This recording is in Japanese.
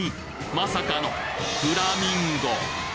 まさかのフラミンゴ！